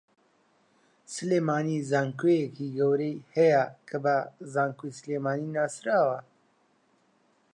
سلێمانی زانکۆیەکی گەورەی ھەیە کە بە زانکۆی سلێمانی ناسراوە